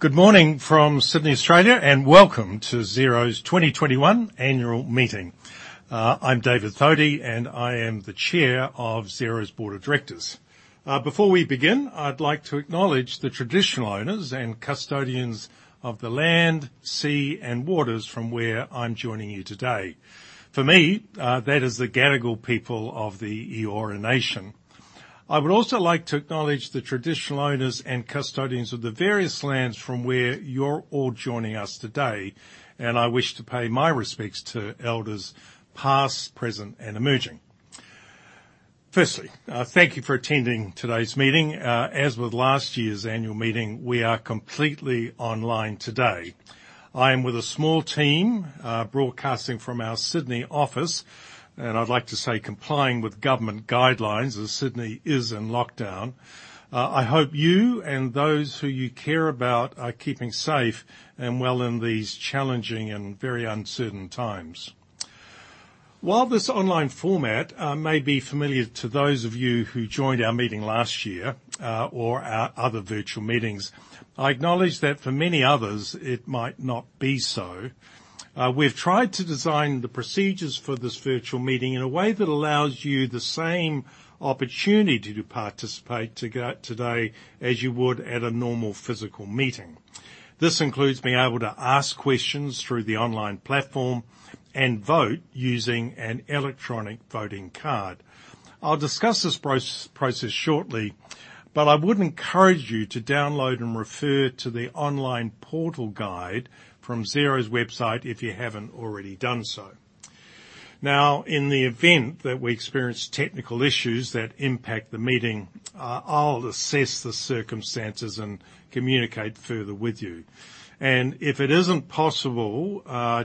Good morning from Sydney, Australia, and welcome to Xero's 2021 annual meeting. I'm David Thodey, and I am the Chair of Xero's Board of Directors. Before we begin, I'd like to acknowledge the traditional owners and custodians of the land, sea, and waters from where I'm joining you today. For me, that is the Gadigal people of the Eora Nation. I would also like to acknowledge the traditional owners and custodians of the various lands from where you're all joining us today, and I wish to pay my respects to elders past, present, and emerging. Firstly, thank you for attending today's meeting. As with last year's annual meeting, we are completely online today. I am with a small team broadcasting from our Sydney office, and I'd like to say complying with government guidelines as Sydney is in lockdown. I hope you and those who you care about are keeping safe and well in these challenging and very uncertain times. While this online format may be familiar to those of you who joined our meeting last year, or our other virtual meetings, I acknowledge that for many others, it might not be so. We've tried to design the procedures for this virtual meeting in a way that allows you the same opportunity to participate today as you would at a normal physical meeting. This includes being able to ask questions through the online platform and vote using an electronic voting card. I'll discuss this process shortly, but I would encourage you to download and refer to the online portal guide from Xero's website if you haven't already done so. Now, in the event that we experience technical issues that impact the meeting, I'll assess the circumstances and communicate further with you. If it isn't possible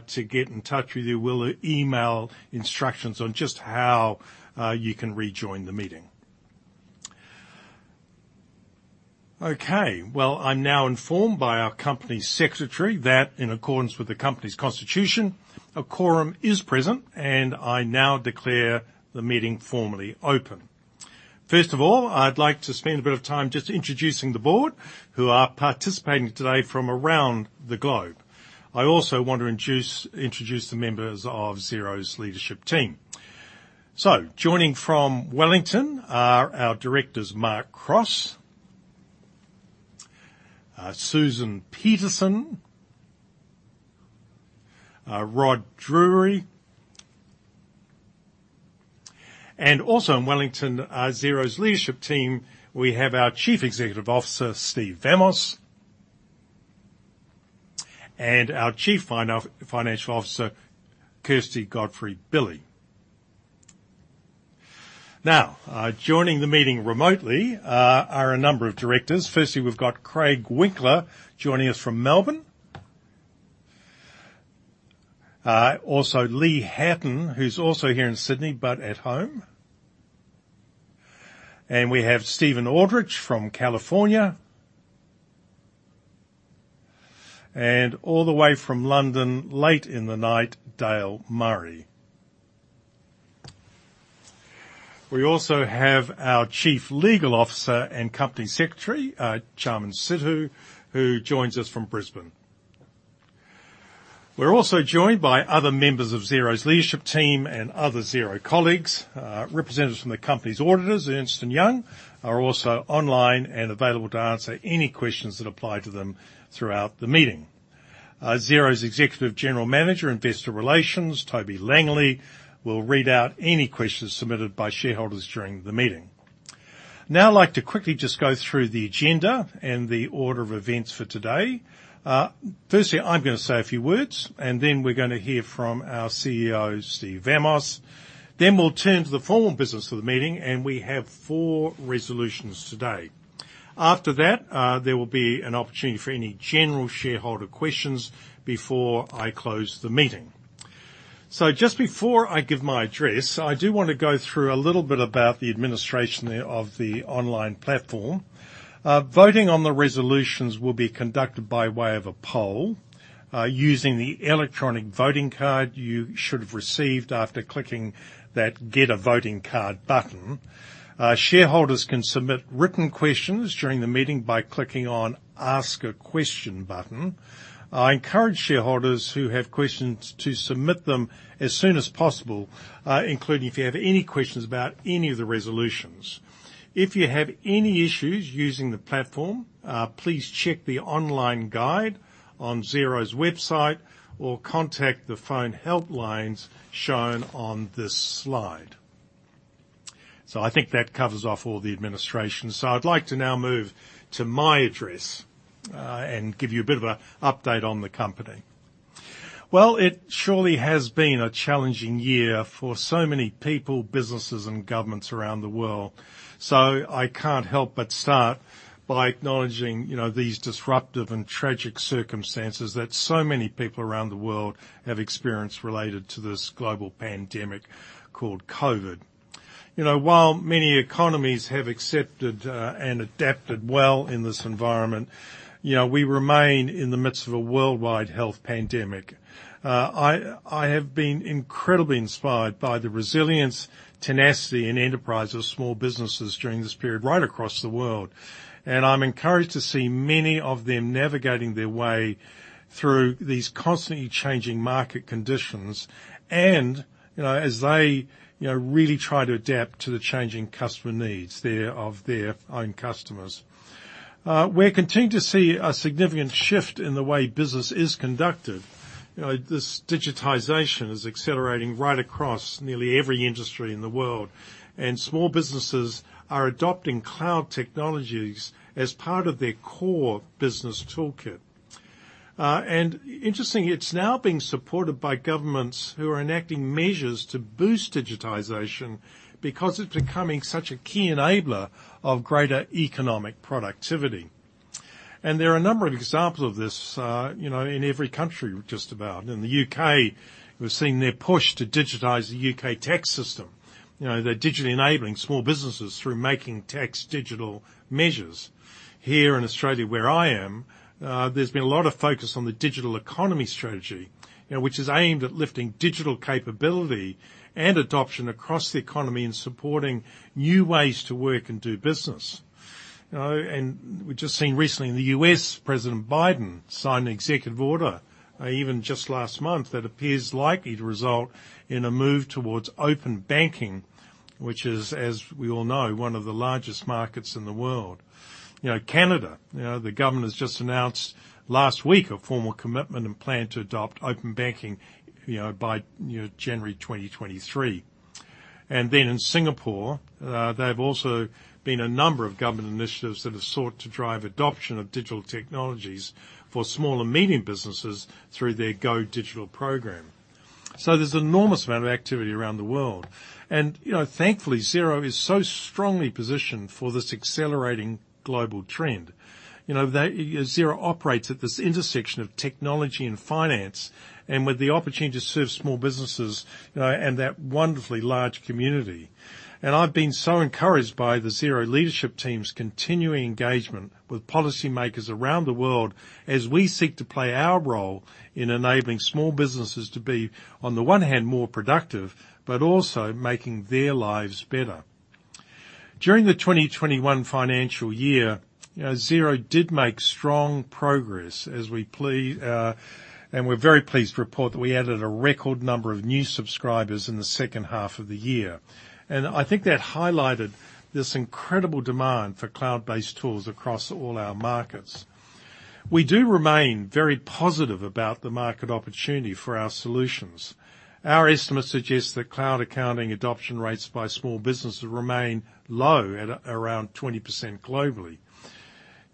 to get in touch with you, we'll email instructions on just how you can rejoin the meeting. Okay. Well, I'm now informed by our Company Secretary that in accordance with the company's constitution, a quorum is present, and I now declare the meeting formally open. First of all, I'd like to spend a bit of time just introducing the Board who are participating today from around the globe. I also want to introduce the members of Xero's Leadership Team. Joining from Wellington are our Directors, Mark Cross, Susan Peterson, Rod Drury, and also in Wellington, Xero's Leadership Team, we have our Chief Executive Officer, Steve Vamos, and our Chief Financial Officer, Kirsty Godfrey-Billy. Now, joining the meeting remotely, are a number of directors. Firstly, we've got Craig Winkler joining us from Melbourne. Also Lee Hatton, who's also here in Sydney, but at home. We have Steven Aldrich from California. And all the way from London, late in the night, Dale Murray. We also have our Chief Legal Officer and Company Secretary, Chaman Sidhu, who joins us from Brisbane. We're also joined by other members of Xero's leadership team and other Xero colleagues. Representatives from the company's auditors, Ernst & Young, are also online and available to answer any questions that apply to them throughout the meeting. Xero's Executive General Manager, Investor Relations, Toby Langley, will read out any questions submitted by shareholders during the meeting. Now I'd like to quickly just go through the agenda and the order of events for today. Firstly, I'm going to say a few words, then we're going to hear from our CEO, Steve Vamos. Then, we'll turn to the formal business of the meeting, and we have four resolutions today. After that there will be an opportunity for any general shareholder questions before I close the meeting. Just before I give my address, I do want to go through a little bit about the administration of the online platform. Voting on the resolutions will be conducted by way of a poll, using the electronic voting card you should have received after clicking that Get a Voting Card button. Shareholders can submit written questions during the meeting by clicking on Ask a Question button. I encourage shareholders who have questions to submit them as soon as possible, including if you have any questions about any of the resolutions. If you have any issues using the platform, please check the online guide on Xero's website or contact the phone help lines shown on this slide. I think that covers off all the administration. I'd like to now move to my address, and give you a bit of an update on the company. Well, it surely has been a challenging year for so many people, businesses, and governments around the world. I can't help but start by acknowledging these disruptive and tragic circumstances that so many people around the world have experienced related to this global pandemic called COVID. While many economies have accepted and adapted well in this environment, we remain in the midst of a worldwide health pandemic. I have been incredibly inspired by the resilience, tenacity, and enterprise of small businesses during this period right across the world. I'm encouraged to see many of them navigating their way through these constantly changing market conditions, and as they really try to adapt to the changing customer needs of their own customers. We're continuing to see a significant shift in the way business is conducted. This digitization is accelerating right across nearly every industry in the world, and small businesses are adopting cloud technologies as part of their core business toolkit. Interesting, it's now being supported by governments who are enacting measures to boost digitization because it's becoming such a key enabler of greater economic productivity. There are a number of examples of this in every country, just about. In the U.K., we're seeing their push to digitize the U.K. tax system. They're digitally enabling small businesses through Making Tax Digital measures. Here in Australia, where I am, there's been a lot of focus on the digital economy strategy, which is aimed at lifting digital capability and adoption across the economy and supporting new ways to work and do business. We've just seen recently in the U.S., President Biden sign an executive order, even just last month, that appears likely to result in a move towards open banking, which is, as we all know, one of the largest markets in the world. Canada, the government has just announced last week a formal commitment and plan to adopt open banking by January 2023. In Singapore, there have also been a number of government initiatives that have sought to drive adoption of digital technologies for small and medium businesses through their Go Digital program. There's an enormous amount of activity around the world. Thankfully, Xero is so strongly positioned for this accelerating global trend. Xero operates at this intersection of technology and finance, and with the opportunity to serve small businesses, and that wonderfully large community. I've been so encouraged by the Xero leadership team's continuing engagement with policymakers around the world as we seek to play our role in enabling small businesses to be, on the one hand, more productive, but also making their lives better. During the 2021 financial year, Xero did make strong progress, and we're very pleased to report that we added a record number of new subscribers in the second half of the year. I think that highlighted this incredible demand for cloud-based tools across all our markets. We do remain very positive about the market opportunity for our solutions. Our estimate suggests that cloud accounting adoption rates by small businesses remain low at around 20% globally.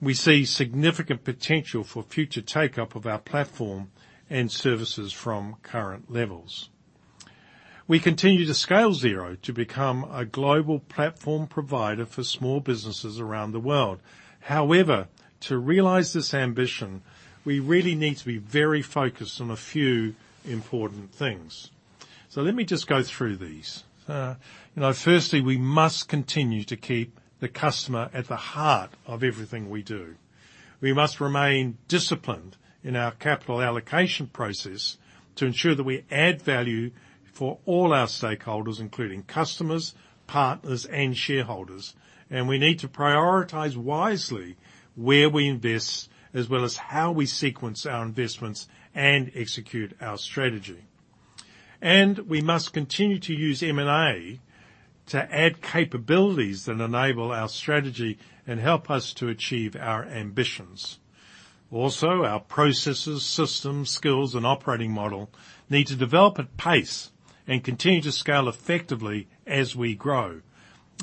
We see significant potential for future take-up of our platform and services from current levels. We continue to scale Xero to become a global platform provider for small businesses around the world. However, to realize this ambition, we really need to be very focused on a few important things. Let me just go through these. Firstly, we must continue to keep the customer at the heart of everything we do. We must remain disciplined in our capital allocation process to ensure that we add value for all our stakeholders, including customers, partners, and shareholders. We need to prioritize wisely where we invest as well as how we sequence our investments and execute our strategy. We must continue to use M&A to add capabilities that enable our strategy and help us to achieve our ambitions. Also, our processes, systems, skills, and operating model need to develop at pace and continue to scale effectively as we grow.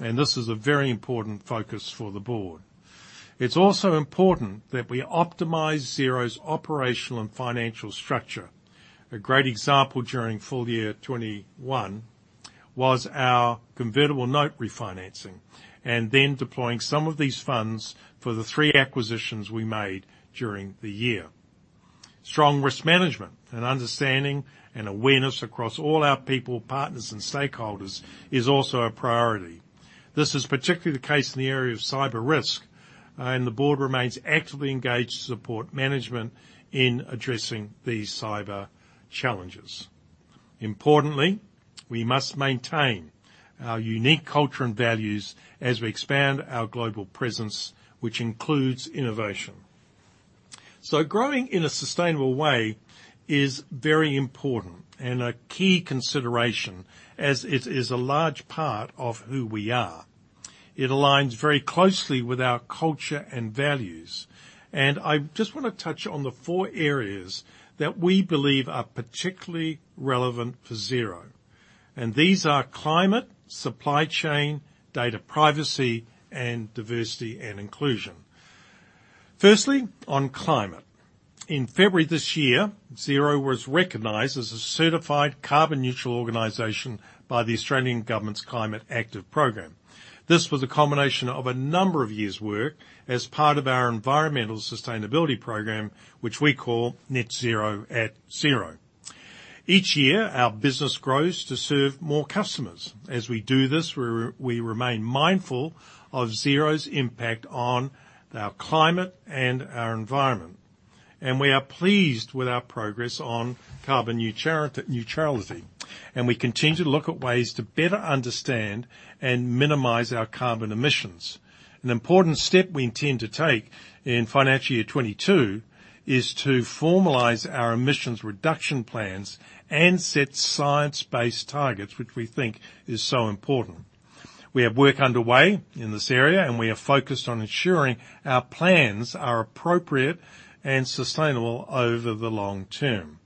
This is a very important focus for the board. It's also important that we optimize Xero's operational and financial structure. A great example during FY 2021 was our convertible note refinancing, and then deploying some of these funds for the three acquisitions we made during the year. Strong risk management and understanding and awareness across all our people, partners, and stakeholders is also a priority. This is particularly the case in the area of cyber risk, and the board remains actively engaged to support management in addressing these cyber challenges. Importantly, we must maintain our unique culture and values as we expand our global presence, which includes innovation. Growing in a sustainable way is very important and a key consideration as it is a large part of who we are. It aligns very closely with our culture and values. I just want to touch on the four areas that we believe are particularly relevant for Xero. These are climate, supply chain, data privacy, and diversity and inclusion. Firstly, on climate. In February this year, Xero was recognized as a certified carbon-neutral organization by the Australian government's Climate Active program. This was a combination of a number of years' work as part of our environmental sustainability program, which we call Net Zero at Xero. Each year, our business grows to serve more customers. As we do this, we remain mindful of Xero's impact on our climate and our environment, and we are pleased with our progress on carbon neutrality. We continue to look at ways to better understand and minimize our carbon emissions. An important step we intend to take in financial year 2022 is to formalize our emissions reduction plans and set science-based targets, which we think is so important. We have work underway in this area, and we are focused on ensuring our plans are appropriate and sustainable over the long term.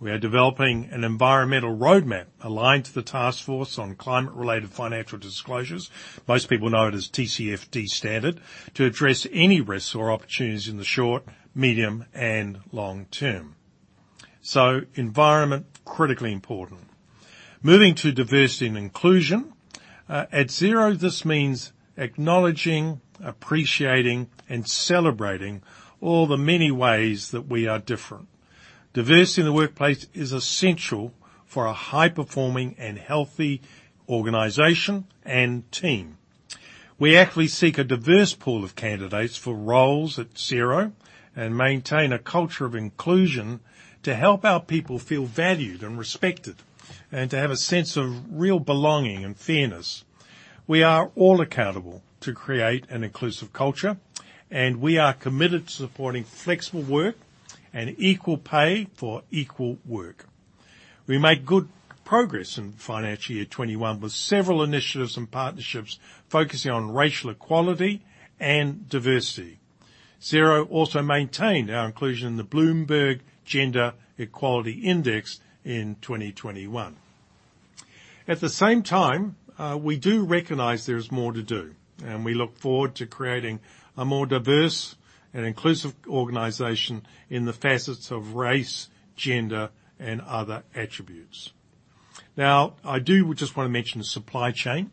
We are developing an environmental roadmap aligned to the Task Force on Climate-related Financial Disclosures, most people know it as TCFD standard, to address any risks or opportunities in the short, medium, and long term. Environment, critically important. Moving to diversity and inclusion. At Xero, this means acknowledging, appreciating, and celebrating all the many ways that we are different. Diversity in the workplace is essential for a high-performing and healthy organization and team. We actively seek a diverse pool of candidates for roles at Xero and maintain a culture of inclusion to help our people feel valued and respected, and to have a sense of real belonging and fairness. We are all accountable to create an inclusive culture, and we are committed to supporting flexible work and equal pay for equal work. We made good progress in financial year 2021, with several initiatives and partnerships focusing on racial equality and diversity. Xero also maintained our inclusion in the Bloomberg Gender-Equality Index in 2021. At the same time, we do recognize there is more to do, we look forward to creating a more diverse and inclusive organization in the facets of race, gender, and other attributes. Now, I do just want to mention the supply chain.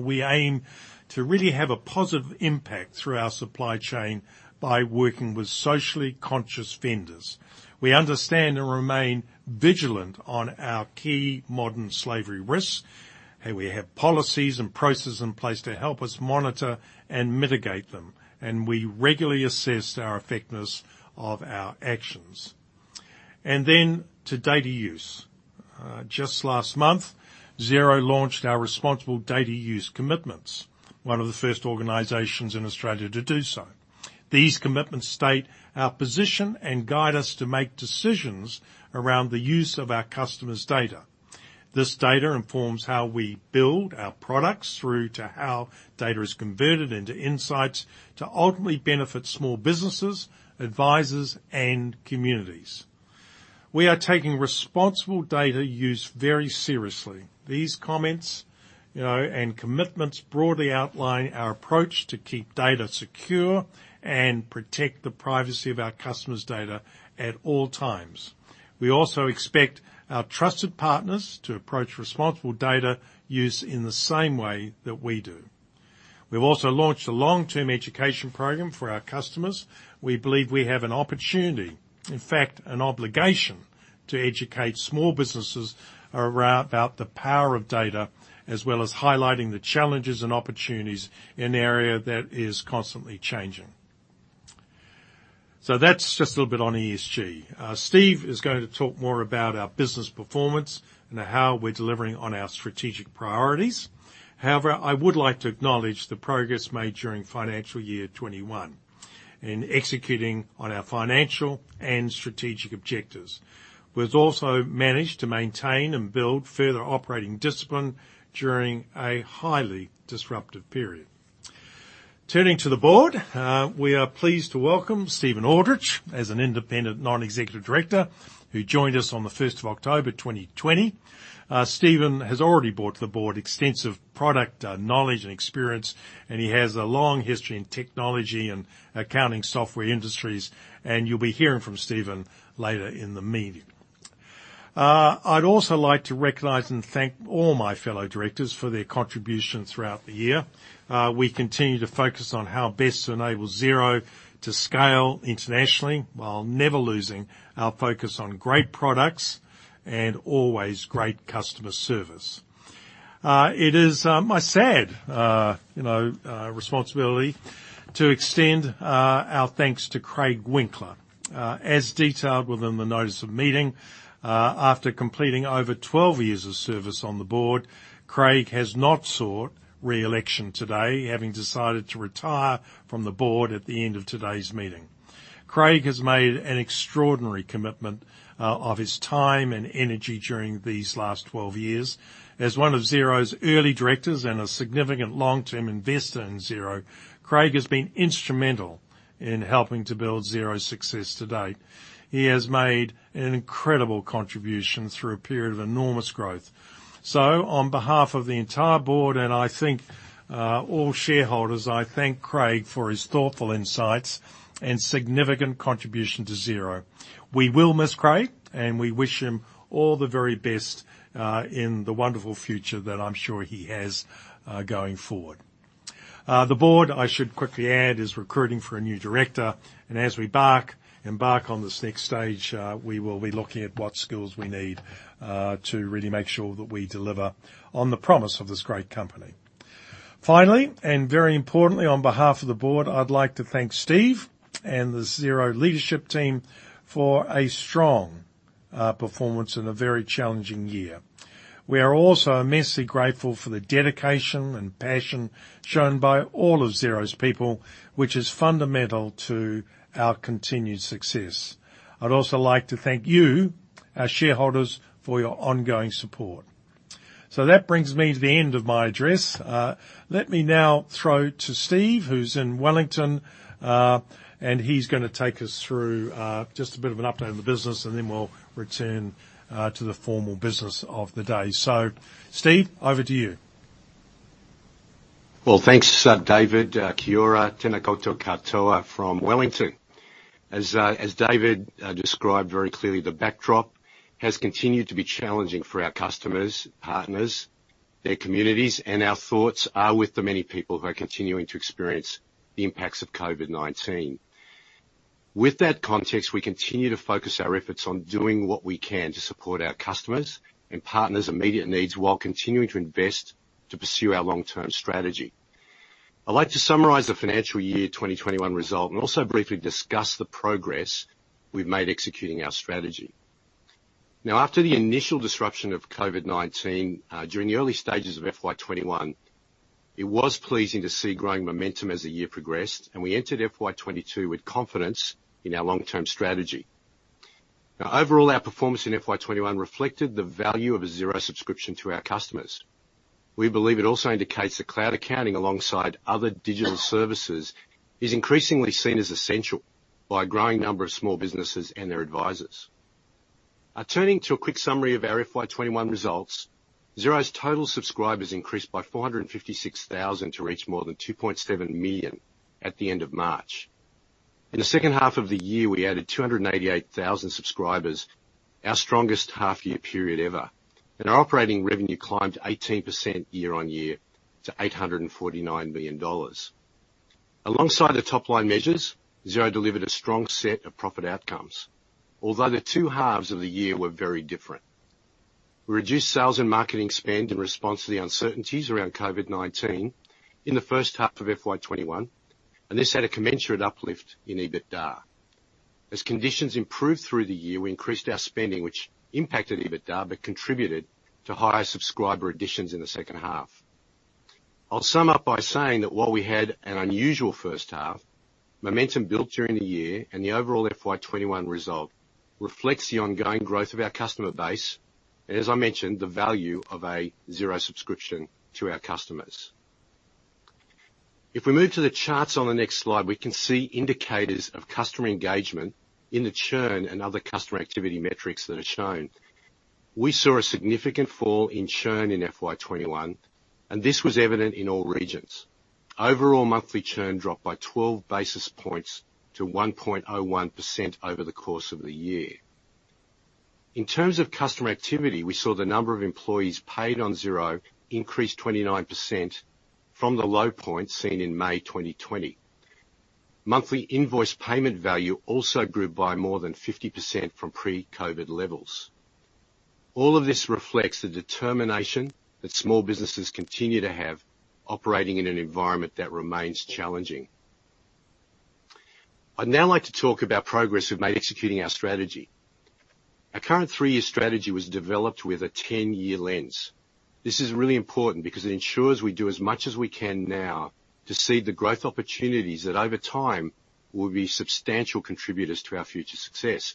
We aim to really have a positive impact through our supply chain by working with socially conscious vendors. We understand and remain vigilant on our key modern slavery risks, and we have policies and processes in place to help us monitor and mitigate them. We regularly assess our effectiveness of our actions. Then, to data use. Just last month, Xero launched our responsible data use commitments, one of the first organizations in Australia to do so. These commitments state our position and guide us to make decisions around the use of our customers' data. This data informs how we build our products through to how data is converted into insights to ultimately benefit small businesses, advisors, and communities. We are taking responsible data use very seriously. These comments and commitments broadly outline our approach to keep data secure and protect the privacy of our customers' data at all times. We also expect our trusted partners to approach responsible data use in the same way that we do. We've also launched a long-term education program for our customers. We believe we have an opportunity, in fact, an obligation, to educate small businesses about the power of data, as well as highlighting the challenges and opportunities in an area that is constantly changing. That's just a little bit on ESG. Steve is going to talk more about our business performance and how we're delivering on our strategic priorities. However, I would like to acknowledge the progress made during FY 2021 in executing on our financial and strategic objectives. We've also managed to maintain and build further operating discipline during a highly disruptive period. Turning to the board. We are pleased to welcome Steven Aldrich as an independent non-executive director who joined us on the 1st of October 2020. Steven has already brought to the board extensive product knowledge and experience. He has a long history in technology and accounting software industries. You'll be hearing from Steven later in the meeting. I'd also like to recognize and thank all my fellow directors for their contribution throughout the year. We continue to focus on how best to enable Xero to scale internationally while never losing our focus on great products and always great customer service. It is my sad responsibility to extend our thanks to Craig Winkler. As detailed within the notice of meeting, after completing over 12 years of service on the board, Craig has not sought re-election today, having decided to retire from the board at the end of today's meeting. Craig has made an extraordinary commitment of his time and energy during these last 12 years. As one of Xero's early directors and a significant long-term investor in Xero, Craig has been instrumental in helping to build Xero's success to date. He has made an incredible contribution through a period of enormous growth. On behalf of the entire board, and I think all shareholders, I thank Craig for his thoughtful insights and significant contribution to Xero. We will miss Craig, and we wish him all the very best in the wonderful future that I'm sure he has going forward. The board, I should quickly add, is recruiting for a new director, and as we embark on this next stage, we will be looking at what skills we need to really make sure that we deliver on the promise of this great company. Finally, and very importantly, on behalf of the board, I'd like to thank Steve and the Xero leadership team for a strong performance in a very challenging year. We are also immensely grateful for the dedication and passion shown by all of Xero's people, which is fundamental to our continued success. I'd also like to thank you, our shareholders, for your ongoing support. That brings me to the end of my address. Let me now throw to Steve, who's in Wellington, and he's going to take us through just a bit of an update on the business, and then we'll return to the formal business of the day. Steve, over to you. Thanks, David. Kia ora, tena koutou katoa from Wellington. As David described very clearly, the backdrop has continued to be challenging for our customers, partners, their communities, and our thoughts are with the many people who are continuing to experience the impacts of COVID-19. With that context, we continue to focus our efforts on doing what we can to support our customers' and partners' immediate needs while continuing to invest to pursue our long-term strategy. I'd like to summarize the financial year 2021 result and also briefly discuss the progress we've made executing our strategy. After the initial disruption of COVID-19, during the early stages of FY 2021, it was pleasing to see growing momentum as the year progressed, and we entered FY 2022 with confidence in our long-term strategy. Overall, our performance in FY 2021 reflected the value of a Xero subscription to our customers. We believe it also indicates that cloud accounting, alongside other digital services, is increasingly seen as essential by a growing number of small businesses and their advisors. Turning to a quick summary of our FY 2021 results, Xero's total subscribers increased by 456,000 to reach more than 2.7 million at the end of March. In the second half of the year, we added 288,000 subscribers, our strongest half-year period ever, and our operating revenue climbed 18% year-on-year to 849 million dollars. Alongside the top-line measures, Xero delivered a strong set of profit outcomes. Although the two halves of the year were very different. We reduced sales and marketing spend in response to the uncertainties around COVID-19 in the first half of FY 2021, and this had a commensurate uplift in EBITDA. As conditions improved through the year, we increased our spending, which impacted EBITDA, but contributed to higher subscriber additions in the second half. I'll sum up by saying that while we had an unusual first half, momentum built during the year and the overall FY 2021 result reflects the ongoing growth of our customer base, and as I mentioned, the value of a Xero subscription to our customers. If we move to the charts on the next slide, we can see indicators of customer engagement in the churn and other customer activity metrics that are shown. We saw a significant fall in churn in FY 2021, and this was evident in all regions. Overall monthly churn dropped by 12 basis points to 1.01% over the course of the year. In terms of customer activity, we saw the number of employees paid on Xero increase 29% from the low point seen in May 2020. Monthly invoice payment value also grew by more than 50% from pre-COVID levels. All of this reflects the determination that small businesses continue to have operating in an environment that remains challenging. I'd now like to talk about progress we've made executing our strategy. Our current 3-year strategy was developed with a 10-year lens. This is really important because it ensures we do as much as we can now to seed the growth opportunities that over time will be substantial contributors to our future success.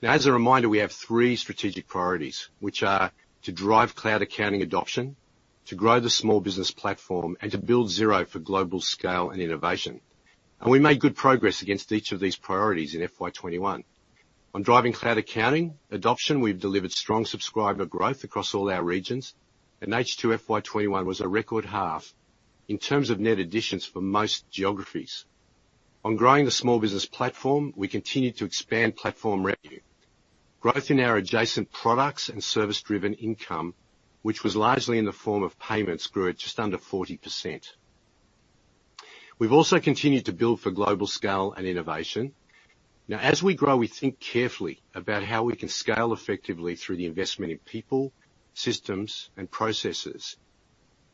Now, as a reminder, we have three strategic priorities, which are to drive cloud accounting adoption, to grow the small business platform, and to build Xero for global scale and innovation. We made good progress against each of these priorities in FY 2021. On driving cloud accounting adoption, we've delivered strong subscriber growth across all our regions, H2 FY 2021 was a record half in terms of net additions for most geographies. On growing the small business platform, we continued to expand platform revenue. Growth in our adjacent products and service-driven income, which was largely in the form of payments, grew at just under 40%. We've also continued to build for global scale and innovation. As we grow, we think carefully about how we can scale effectively through the investment in people, systems, and processes.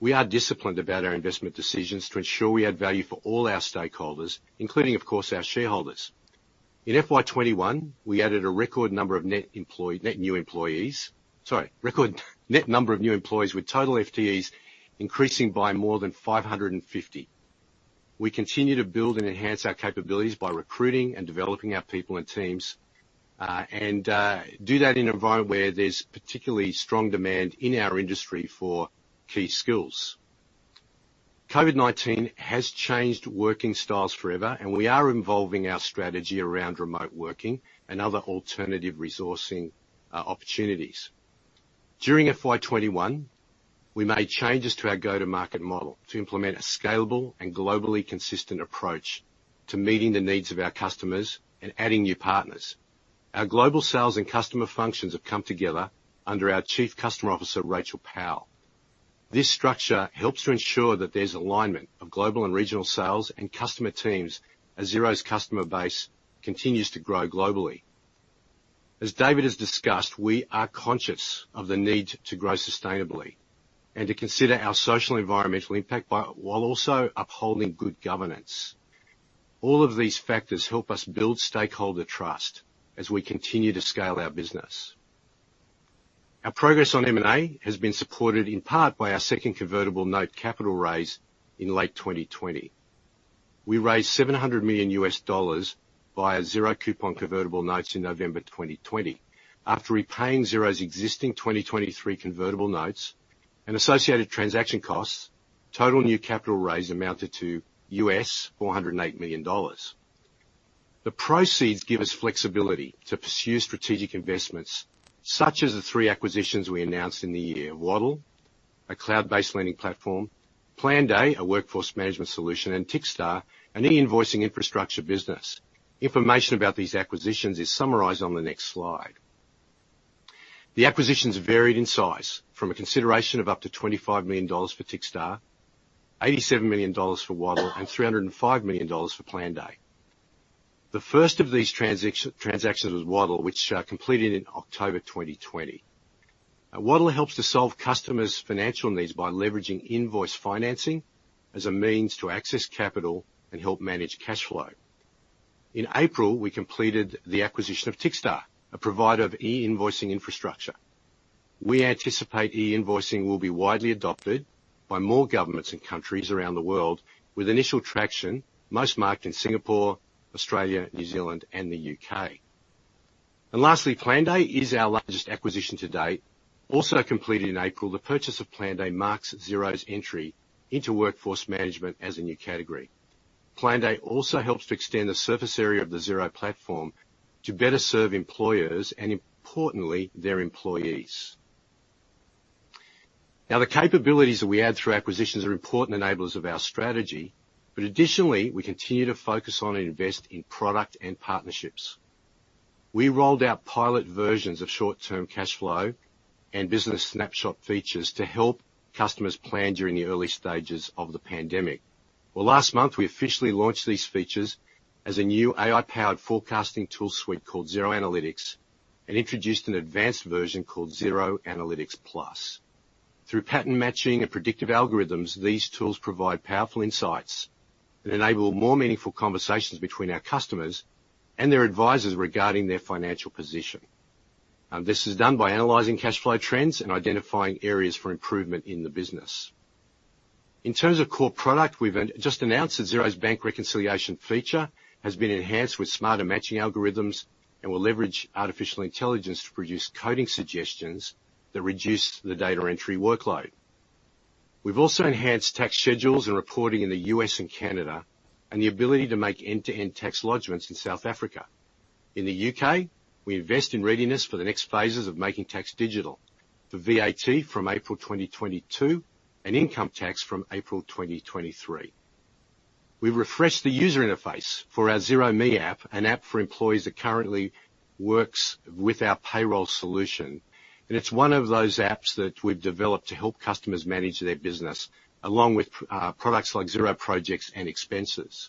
We are disciplined about our investment decisions to ensure we add value for all our stakeholders, including, of course, our shareholders. In FY 2021, we added a record number of net employed, net new employees. Sorry, record net number of new employees, with total FTEs increasing by more than 550. We continue to build and enhance our capabilities by recruiting and developing our people and teams, and do that in an environment where there's particularly strong demand in our industry for key skills. COVID-19 has changed working styles forever. We are involving our strategy around remote working and other alternative resourcing opportunities. During FY21, we made changes to our go-to-market model to implement a scalable and globally consistent approach to meeting the needs of our customers and adding new partners. Our global sales and customer functions have come together under our Chief Customer Officer, Rachael Powell. This structure helps to ensure that there's alignment of global and regional sales and customer teams as Xero's customer base continues to grow globally. As David has discussed, we are conscious of the need to grow sustainably and to consider our social environmental impact, while also upholding good governance. All of these factors help us build stakeholder trust as we continue to scale our business. Our progress on M&A has been supported in part by our second convertible note capital raise in late 2020. We raised $700 million via zero coupon convertible notes in November 2020. After repaying Xero's existing 2023 convertible notes and associated transaction costs, total new capital raise amounted to $408 million. The proceeds give us flexibility to pursue strategic investments such as the three acquisitions we announced in the year, Waddle, a cloud-based lending platform, Planday, a workforce management solution, and Tickstar, an e-invoicing infrastructure business. Information about these acquisitions is summarized on the next slide. The acquisitions varied in size from a consideration of up to 25 million dollars for Tickstar, 87 million dollars for Waddle, and 305 million dollars for Planday. The first of these transactions was Waddle, which completed in October 2020. Waddle helps to solve customers' financial needs by leveraging invoice financing as a means to access capital and help manage cash flow. In April, we completed the acquisition of Tickstar, a provider of e-invoicing infrastructure. We anticipate e-invoicing will be widely adopted by more governments and countries around the world, with initial traction most marked in Singapore, Australia, New Zealand, and the U.K. Lastly, Planday is our largest acquisition to date, also completed in April. The purchase of Planday marks Xero's entry into workforce management as a new category. Planday also helps to extend the surface area of the Xero platform to better serve employers and, importantly, their employees. The capabilities that we add through acquisitions are important enablers of our strategy. Additionally, we continue to focus on and invest in product and partnerships. We rolled out pilot versions of short-term cash flow and business snapshot features to help customers plan during the early stages of the pandemic. Well, last month, we officially launched these features as a new AI-powered forecasting tool suite called Xero Analytics and introduced an advanced version called Xero Analytics Plus. Through pattern matching and predictive algorithms, these tools provide powerful insights that enable more meaningful conversations between our customers and their advisors regarding their financial position. This is done by analyzing cash flow trends and identifying areas for improvement in the business. In terms of core product, we've just announced that Xero's bank reconciliation feature has been enhanced with smarter matching algorithms and will leverage artificial intelligence to produce coding suggestions that reduce the data entry workload. We've also enhanced tax schedules and reporting in the U.S. and Canada and the ability to make end-to-end tax lodgments in South Africa. In the U.K., we invest in readiness for the next phases of Making Tax Digital, the VAT from April 2022, and income tax from April 2023. We've refreshed the user interface for our Xero Me app, an app for employees that currently works with our payroll solution, and it's one of those apps that we've developed to help customers manage their business, along with products like Xero Projects and Expenses.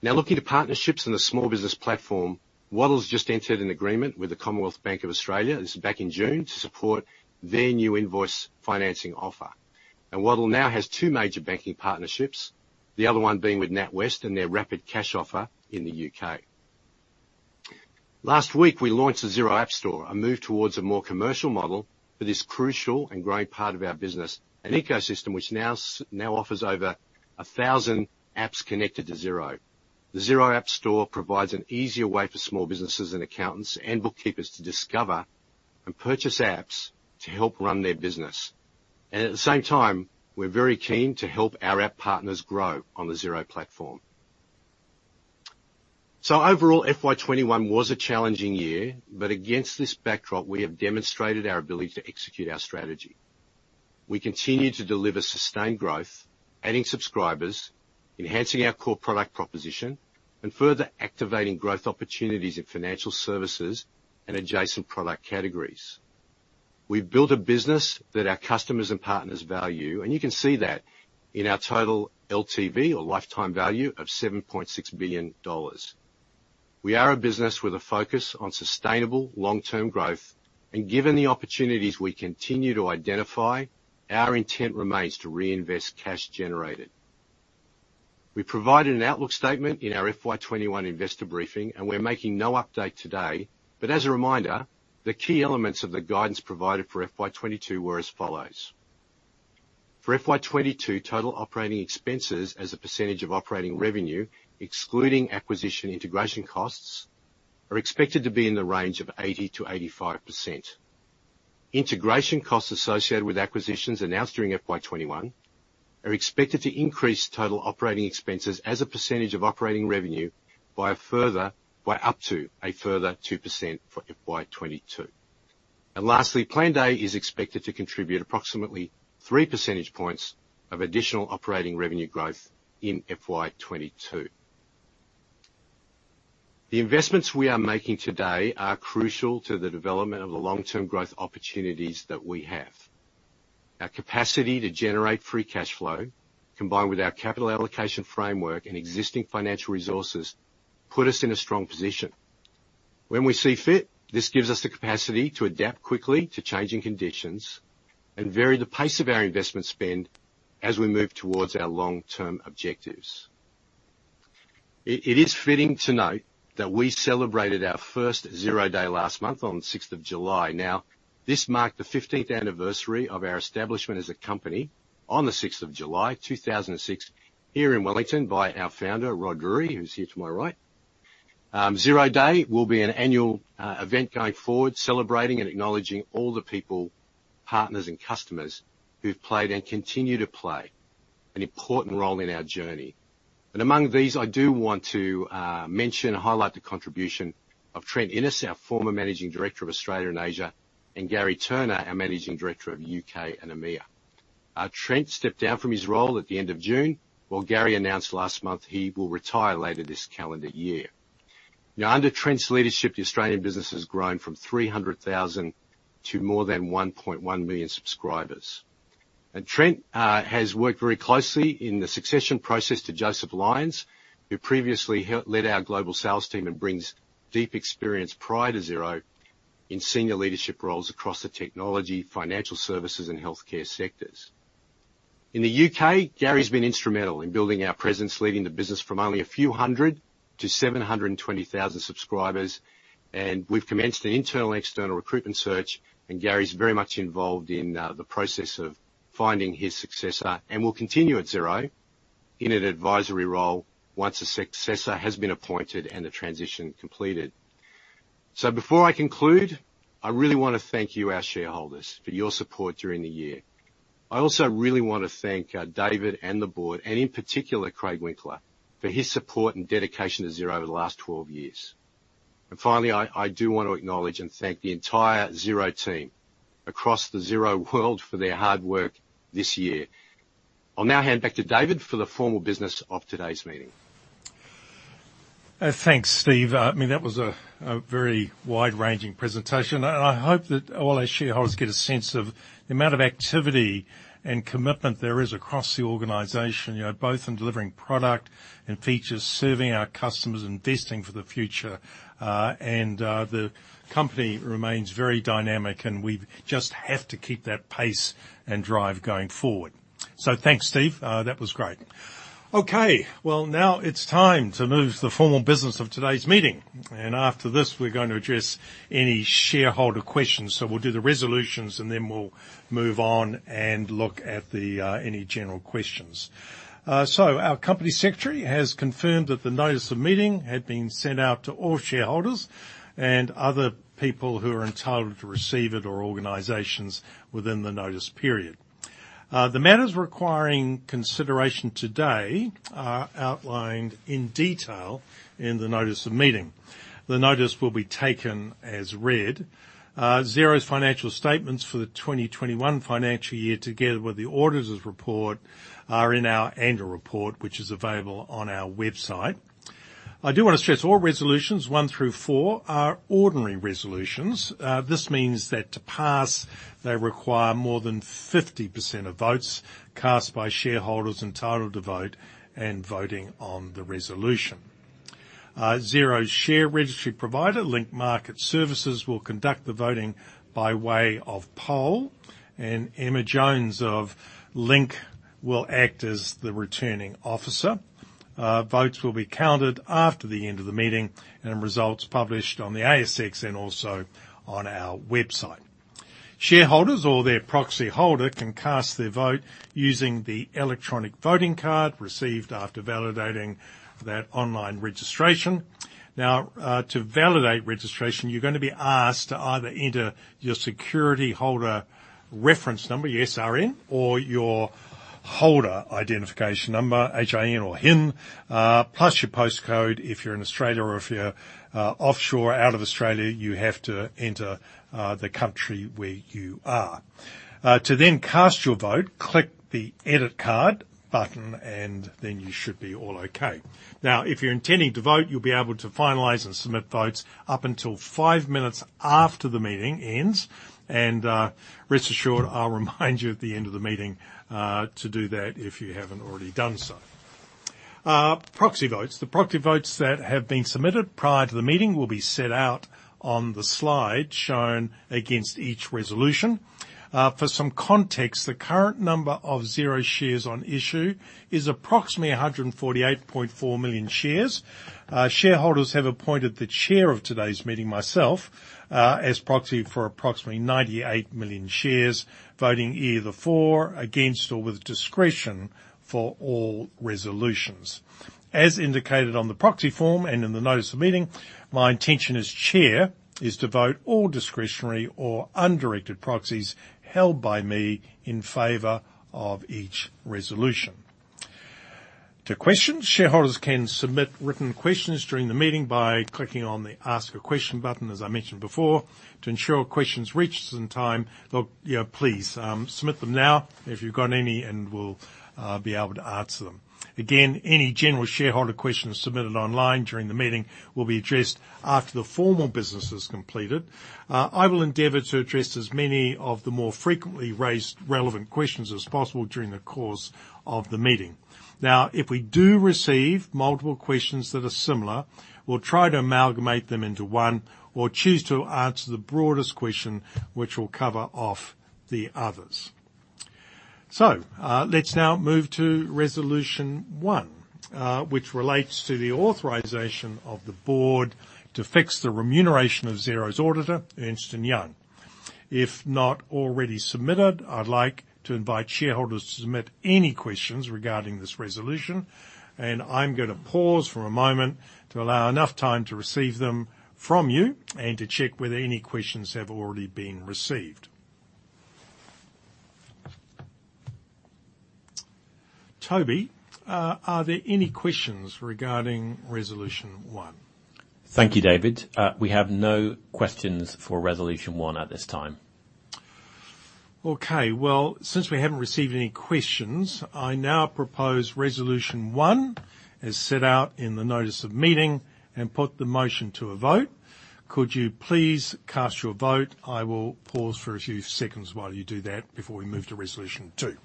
Now looking to partnerships in the small business platform, Waddle's just entered an agreement with the Commonwealth Bank of Australia, this is back in June, to support their new invoice financing offer. Waddle now has two major banking partnerships, the other one being with NatWest and their Rapid Cash offer in the U.K. Last week, we launched the Xero App Store, a move towards a more commercial model for this crucial and growing part of our business, an ecosystem which now offers over 1,000 apps connected to Xero. The Xero App Store provides an easier way for small businesses and accountants and bookkeepers to discover and purchase apps to help run their business. At the same time, we're very keen to help our app partners grow on the Xero platform. Overall, FY 2021 was a challenging year, but against this backdrop, we have demonstrated our ability to execute our strategy. We continue to deliver sustained growth, adding subscribers, enhancing our core product proposition, and further activating growth opportunities in financial services and adjacent product categories. We've built a business that our customers and partners value, and you can see that in our total LTV or lifetime value of 7.6 billion dollars. We are a business with a focus on sustainable long-term growth, and given the opportunities we continue to identify, our intent remains to reinvest cash generated. We provided an outlook statement in our FY 2021 investor briefing, and we're making no update today, but as a reminder, the key elements of the guidance provided for FY 2022 were as follows. For FY 2022, total operating expenses as a percentage of operating revenue, excluding acquisition integration costs, are expected to be in the range of 80%-85%. Integration costs associated with acquisitions announced during FY 2021 are expected to increase total operating expenses as a percentage of operating revenue by up to a further 2% for FY 2022. Lastly, Planday is expected to contribute approximately 3 percentage points of additional operating revenue growth in FY 2022. The investments we are making today are crucial to the development of the long-term growth opportunities that we have. Our capacity to generate free cash flow, combined with our capital allocation framework and existing financial resources, put us in a strong position. When we see fit, this gives us the capacity to adapt quickly to changing conditions and vary the pace of our investment spend as we move towards our long-term objectives. It is fitting to note that we celebrated our first Xero Day last month on the 6th of July. Now, this marked the 15th anniversary of our establishment as a company on the 6th of July 2006, here in Wellington by our founder, Rod Drury, who's here to my right. Xero Day will be an annual event going forward, celebrating and acknowledging all the people, partners, and customers who've played and continue to play an important role in our journey. Among these, I do want to mention and highlight the contribution of Trent Innes, our former Managing Director of Australia and Asia, and Gary Turner, our Managing Director of U.K. and EMEA. Trent stepped down from his role at the end of June, while Gary announced last month he will retire later this calendar year. Now, under Trent's leadership, the Australian business has grown from 300,000 to more than 1.1 million subscribers. Trent has worked very closely in the succession process to Joseph Lyons, who previously led our global sales team and brings deep experience prior to Xero in senior leadership roles across the technology, financial services, and healthcare sectors. In the U.K., Gary's been instrumental in building our presence, leading the business from only a few hundred to 720,000 subscribers. We've commenced an internal-external recruitment search, and Gary's very much involved in the process of finding his successor and will continue at Xero in an advisory role once a successor has been appointed and the transition completed. Before I conclude, I really want to thank you, our shareholders, for your support during the year. I also really want to thank David and the board, and in particular Craig Winkler, for his support and dedication to Xero over the last 12 years. Finally, I do want to acknowledge and thank the entire Xero team across the Xero world for their hard work this year. I'll now hand back to David for the formal business of today's meeting. Thanks, Steve. That was a very wide-ranging presentation. I hope that all our shareholders get a sense of the amount of activity and commitment there is across the organization, both in delivering product and features, serving our customers, investing for the future. The company remains very dynamic, and we just have to keep that pace and drive going forward. Thanks, Steve. That was great. Okay. Now, it's time to move to the formal business of today's meeting, and after this, we're going to address any shareholder questions. We'll do the resolutions, and then we'll move on and look at any general questions. Our Company Secretary has confirmed that the notice of meeting had been sent out to all shareholders and other people who are entitled to receive it, or organizations within the notice period. The matters requiring consideration today are outlined in detail in the notice of meeting. The notice will be taken as read. Xero's financial statements for the 2021 financial year, together with the auditors' report, are in our annual report, which is available on our website. I do want to stress all resolutions one through four are ordinary resolutions. This means that to pass, they require more than 50% of votes cast by shareholders entitled to vote and voting on the resolution. Xero's share registry provider, Link Market Services, will conduct the voting by way of poll, and Emma Jones of Link will act as the returning officer. Votes will be counted after the end of the meeting, and results published on the ASX and also on our website. Shareholders or their proxy holder can cast their vote using the electronic voting card received after validating that online registration. Now, to validate registration, you're going to be asked to either enter your security holder reference number, SRN, or your holder identification number, HIN, plus your postcode if you're in Australia, or if you're offshore out of Australia, you have to enter the country where you are. To then cast your vote, click the edit card button and you should be all okay. Now, if you're intending to vote, you'll be able to finalize and submit votes up until 5 minutes after the meeting ends. Rest assured, I'll remind you at the end of the meeting to do that if you haven't already done so. Proxy votes. The proxy votes that have been submitted prior to the meeting will be set out on the slide shown against each resolution. For some context, the current number of Xero shares on issue is approximately 148.4 million shares. Shareholders have appointed the chair of today's meeting, myself, as proxy for approximately 98 million shares, voting either for, against, or with discretion for all resolutions. As indicated on the proxy form and in the notice of meeting, my intention as chair is to vote all discretionary or undirected proxies held by me in favor of each resolution. To questions, shareholders can submit written questions during the meeting by clicking on the Ask a Question button, as I mentioned before. To ensure questions reach us in time, please submit them now if you've got any, and we'll be able to answer them. Again, any general shareholder questions submitted online during the meeting will be addressed after the formal business is completed. I will endeavor to address as many of the more frequently raised relevant questions as possible during the course of the meeting. Now, if we do receive multiple questions that are similar, we'll try to amalgamate them into one or choose to answer the broadest question, which will cover off the others. Let's now move to resolution one, which relates to the authorization of the board to fix the remuneration of Xero's auditor, Ernst & Young. If not already submitted, I'd like to invite shareholders to submit any questions regarding this resolution, and I'm going to pause for a moment to allow enough time to receive them from you and to check whether any questions have already been received. Toby, are there any questions regarding resolution one? Thank you, David. We have no questions for resolution one at this time. Okay. Well, since we haven't received any questions, I now propose resolution one as set out in the notice of meeting and put the motion to a vote. Could you please cast your vote? I will pause for a few seconds while you do that before we move to resolution two.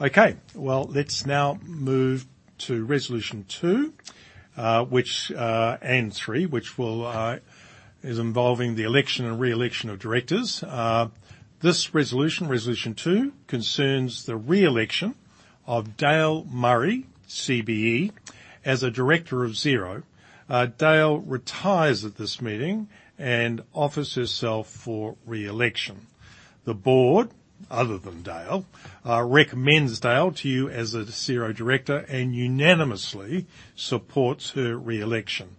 Okay. Well, let's now move to resolution two and three, which is involving the election and re-election of directors. This resolution, Resolution two, concerns the re-election of Dale Murray CBE as a director of Xero. Dale retires at this meeting and offers herself for re-election. The board, other than Dale, recommends Dale to you as a Xero director and unanimously supports her re-election.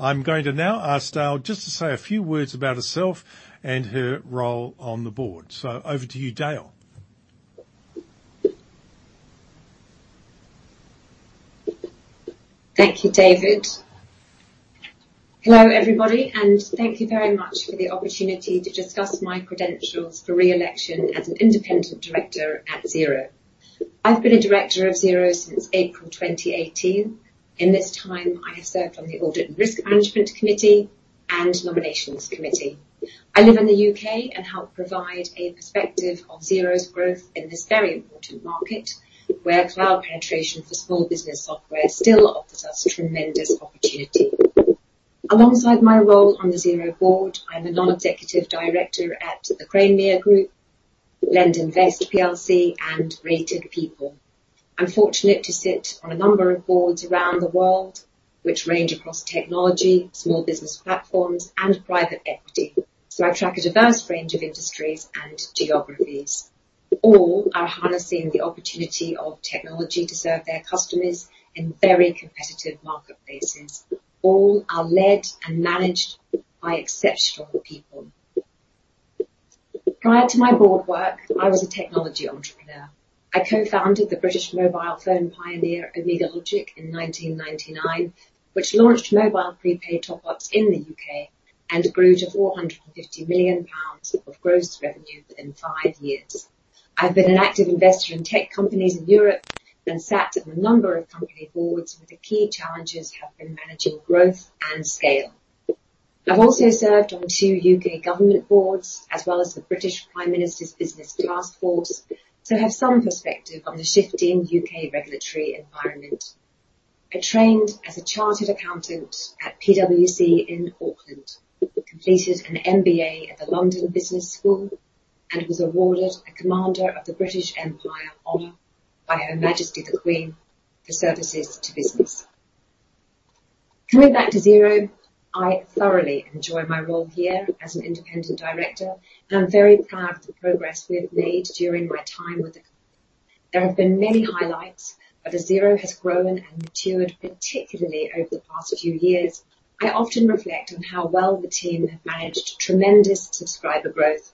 I'm going to now ask Dale just to say a few words about herself and her role on the board. Over to you, Dale. Thank you, David. Hello, everybody, and thank you very much for the opportunity to discuss my credentials for re-election as an independent director at Xero. I've been a director of Xero since April 2018. In this time, I have served on the Audit and Risk Management Committee and Nominations Committee. I live in the U.K. and help provide a perspective of Xero's growth in this very important market, where cloud penetration for small business software still offers us tremendous opportunity. Alongside my role on the Xero board, I'm a non-executive director at the Cranemere Group, LendInvest plc, and Rated People. I'm fortunate to sit on a number of boards around the world, which range across technology, small business platforms, and private equity. I track a diverse range of industries and geographies. All are harnessing the opportunity of technology to serve their customers in very competitive marketplaces. All are led and managed by exceptional people. Prior to my board work, I was a technology entrepreneur. I co-founded the British mobile phone pioneer, Omega Logic, in 1999, which launched mobile prepaid top-ups in the U.K. and grew to 450 million pounds of gross revenue within five years. I've been an active investor in tech companies in Europe and sat on a number of company boards where the key challenges have been managing growth and scale. I've also served on two U.K. government boards as well as the British Prime Minister's Business Task Force, have some perspective on the shifting U.K. regulatory environment. I trained as a chartered accountant at PwC in Auckland, completed an MBA at the London Business School, and was awarded a Commander of the British Empire honor by Her Majesty The Queen for services to business. Coming back to Xero, I thoroughly enjoy my role here as an independent director, and I'm very proud of the progress we have made during my time with the company. As Xero has grown and matured, particularly over the past few years, I often reflect on how well the team have managed tremendous subscriber growth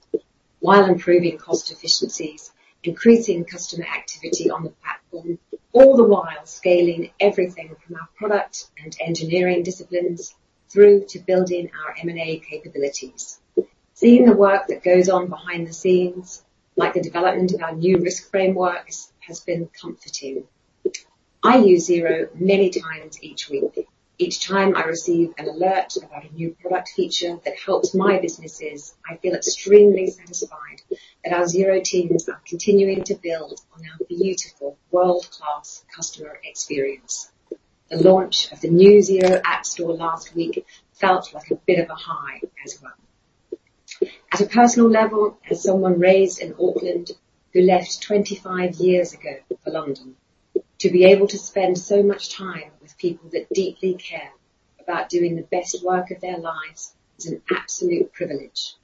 while improving cost efficiencies, increasing customer activity on the platform, all the while scaling everything from our product and engineering disciplines through to building our M&A capabilities. Seeing the work that goes on behind the scenes, like the development of our new risk frameworks, has been comforting. I use Xero many times each week. Each time I receive an alert about a new product feature that helps my businesses, I feel extremely satisfied that our Xero teams are continuing to build on our beautiful world-class customer experience. The launch of the new Xero App Store last week felt like a bit of a high as well. At a personal level, as someone raised in Auckland who left 25 years ago for London, to be able to spend so much time with people that deeply care about doing the best work of their lives is an absolute privilege.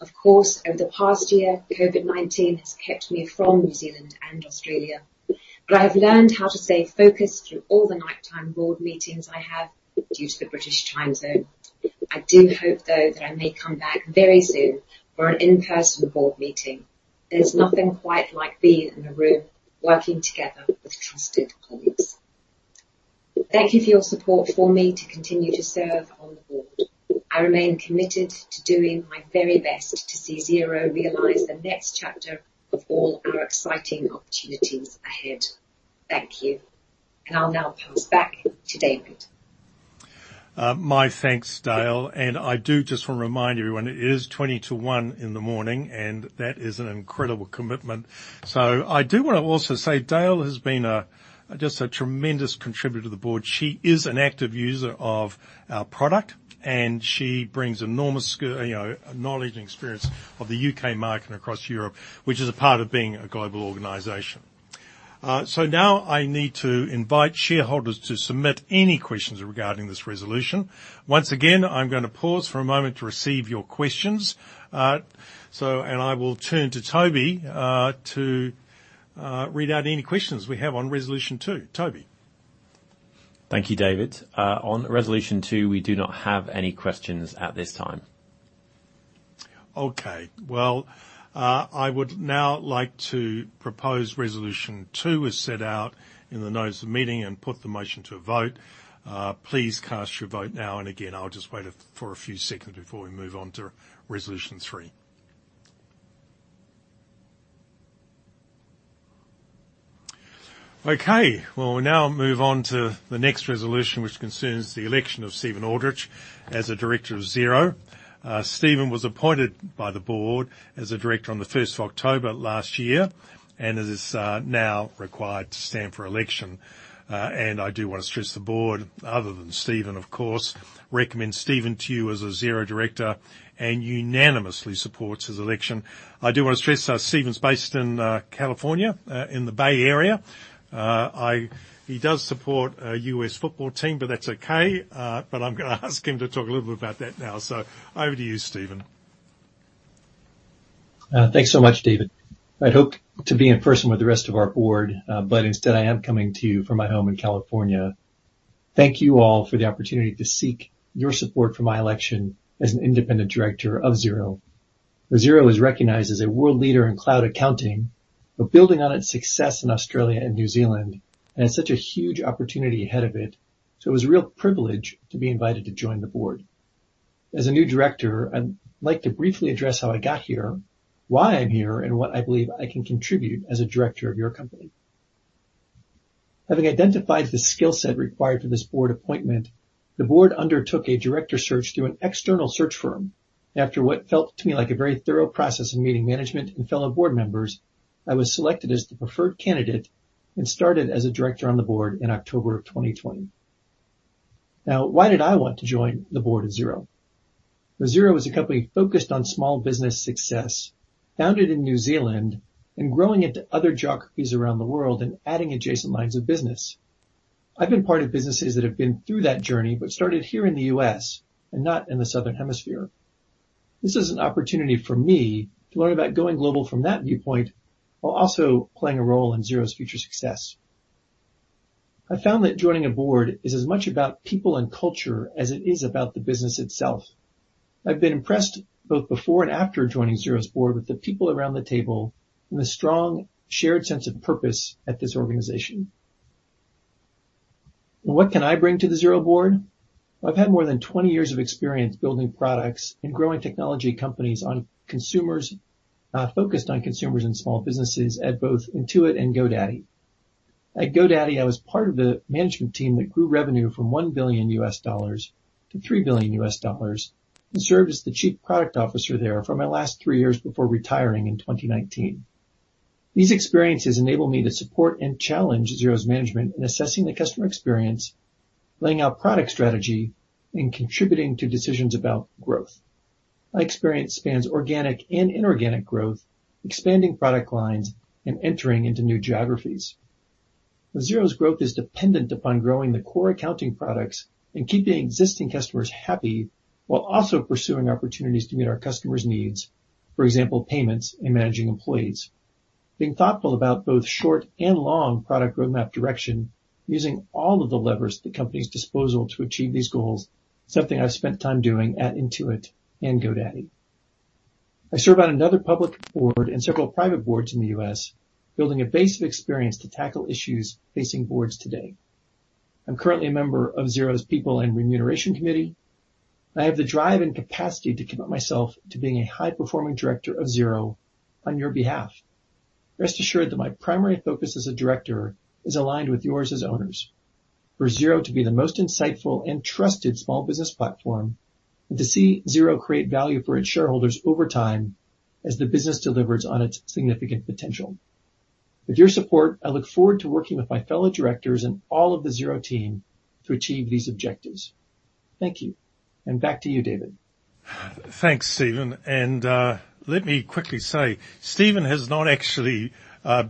Of course, over the past year, COVID-19 has kept me from New Zealand and Australia, but I have learned how to stay focused through all the nighttime board meetings I have due to the British time zone. I do hope, though, that I may come back very soon for an in-person board meeting. There's nothing quite like being in a room working together with trusted colleagues. Thank you for your support for me to continue to serve on the board. I remain committed to doing my very best to see Xero realize the next chapter of all our exciting opportunities ahead. Thank you. I'll now pass back to David. My thanks, Dale. I do just want to remind everyone it is 2:01 in the morning, and that is an incredible commitment. I do want to also say Dale has been just a tremendous contributor to the board. She is an active user of our product. She brings enormous skill, knowledge, and experience of the U.K. market across Europe, which is a part of being a global organization. Now, I need to invite shareholders to submit any questions regarding this resolution. Once again, I'm going to pause for a moment to receive your questions. I will turn to Toby to read out any questions we have on resolution two. Toby? Thank you, David. On resolution two, we do not have any questions at this time. Okay. Well, I would now like to propose resolution two as set out in the notice of meeting and put the motion to a vote. Please cast your vote now again, I'll just wait for a few seconds before we move on to resolution three. Okay. We'll now move on to the next resolution, which concerns the election of Steven Aldrich as a director of Xero. Steven was appointed by the board as a director on the 1st of October last year is now required to stand for election. I do want to stress the board, other than Steven, of course, recommends Steven to you as a Xero director and unanimously supports his election. I do want to stress, Steven's based in California, in the Bay Area. He does support a U.S. football team, but that's okay. I'm going to ask him to talk a little bit about that now. Over to you, Steven. Thanks so much, David. I'd hoped to be in person with the rest of our board, but instead, I am coming to you from my home in California. Thank you all for the opportunity to seek your support for my election as an independent director of Xero. Xero is recognized as a world leader in cloud accounting, but building on its success in Australia and New Zealand, it has such a huge opportunity ahead of it, so it was a real privilege to be invited to join the board. As a new director, I'd like to briefly address how I got here, why I'm here, and what I believe I can contribute as a director of your company. Having identified the skill set required for this board appointment, the board undertook a director search through an external search firm. After what felt to me like a very thorough process of meeting management and fellow board members, I was selected as the preferred candidate and started as a director on the board in October of 2020. Why did I want to join the board of Xero? Xero is a company focused on small business success, founded in New Zealand and growing into other geographies around the world and adding adjacent lines of business. I've been part of businesses that have been through that journey but started here in the U.S. and not in the Southern Hemisphere. This is an opportunity for me to learn about going global from that viewpoint, while also playing a role in Xero's future success. I found that joining a board is as much about people and culture as it is about the business itself. I've been impressed both before and after joining Xero's board with the people around the table and the strong, shared sense of purpose at this organization. What can I bring to the Xero board? I've had more than 20 years of experience building products and growing technology companies focused on consumers and small businesses at both Intuit and GoDaddy. At GoDaddy, I was part of the management team that grew revenue from $1 billion to $3 billion and served as the Chief Product Officer there for my last 3 years before retiring in 2019. These experiences enable me to support and challenge Xero's management in assessing the customer experience, laying out product strategy, and contributing to decisions about growth. My experience spans organic and inorganic growth, expanding product lines, and entering into new geographies. Xero's growth is dependent upon growing the core accounting products and keeping existing customers happy while also pursuing opportunities to meet our customers' needs, for example, payments and managing employees. Being thoughtful about both short and long product roadmap direction, using all of the levers at the company's disposal to achieve these goals is something I've spent time doing at Intuit and GoDaddy. I serve on another public board and several private boards in the U.S., building a base of experience to tackle issues facing boards today. I'm currently a member of Xero's People and Remuneration Committee, and I have the drive and capacity to commit myself to being a high-performing director of Xero on your behalf. Rest assured that my primary focus as a director is aligned with yours as owners. For Xero to be the most insightful and trusted small business platform, to see Xero create value for its shareholders over time as the business delivers on its significant potential. With your support, I look forward to working with my fellow directors and all of the Xero team to achieve these objectives. Thank you. Back to you, David. Thanks, Steven. Let me quickly say, Steven has not actually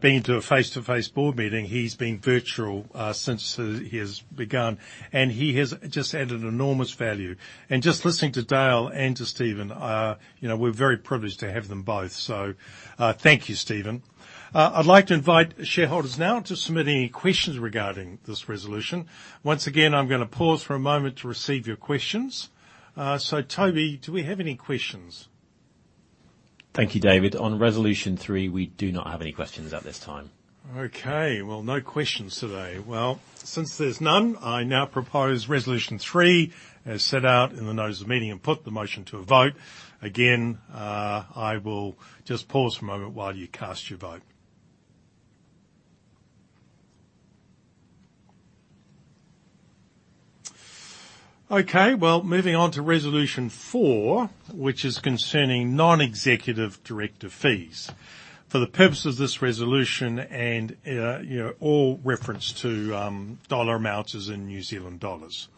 been to a face-to-face board meeting. He's been virtual since he has begun, and he has just added enormous value. Just listening to Dale and to Steven, we're very privileged to have them both. Thank you, Steven. I'd like to invite shareholders now to submit any questions regarding this resolution. Once again, I'm going to pause for a moment to receive your questions. Toby, do we have any questions? Thank you, David. On resolution three, we do not have any questions at this time. Okay. Well, no questions today. Well, since there's none, I now propose resolution three as set out in the notice of the meeting, and put the motion to a vote. I will just pause for a moment while you cast your vote. Okay. Well, moving on to resolution four, which is concerning non-executive director fees. For the purpose of this resolution, all reference to dollar amounts is in New Zealand dollars.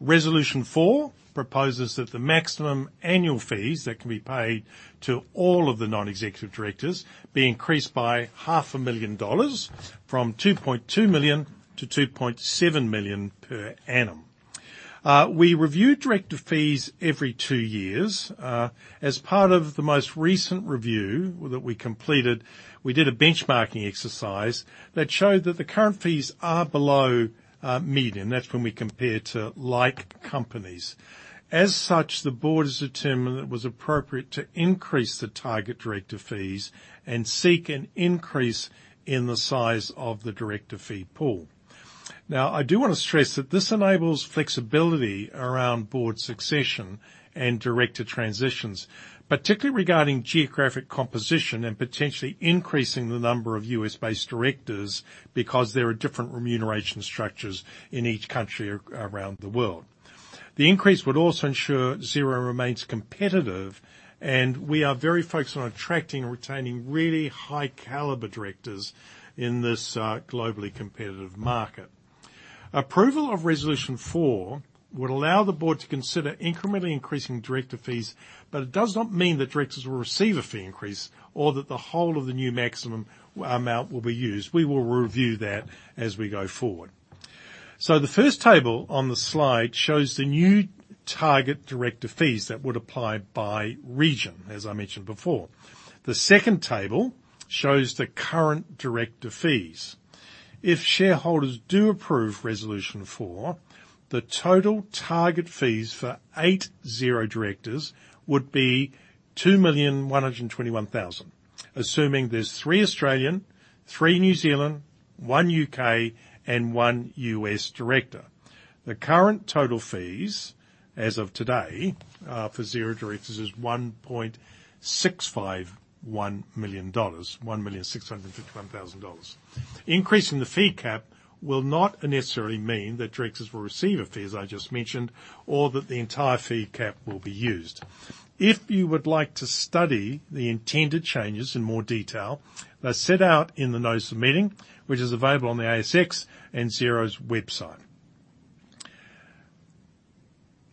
Resolution four proposes that the maximum annual fees that can be paid to all of the non-executive directors be increased by 0.5 million dollars from 2.2 million to 2.7 million per annum. We review director fees every 2 years. As part of the most recent review that we completed, we did a benchmarking exercise that showed that the current fees are below median. That's when we compare to like companies. As such, the board has determined that it was appropriate to increase the target director fees and seek an increase in the size of the director fee pool. I do want to stress that this enables flexibility around board succession and director transitions, particularly regarding geographic composition and potentially increasing the number of U.S.-based directors because there are different remuneration structures in each country around the world. The increase would also ensure Xero remains competitive, and we are very focused on attracting and retaining really high caliber directors in this globally competitive market. Approval of resolution four would allow the board to consider incrementally increasing director fees, but it does not mean that directors will receive a fee increase or that the whole of the new maximum amount will be used. We will review that as we go forward. The first table on the slide shows the new target director fees that would apply by region, as I mentioned before. The second table shows the current director fees. If shareholders do approve resolution four, the total target fees for eight Xero directors would be 2,121,000, assuming there's three Australian, three New Zealand, one U.K., and one U.S. director. The current total fees as of today, for Xero directors is NZD 1.651 million, NZD 1,651,000. Increasing the fee cap will not necessarily mean that directors will receive a fee, as I just mentioned, or that the entire fee cap will be used. If you would like to study the intended changes in more detail, they're set out in the notice of meeting, which is available on the ASX and Xero's website.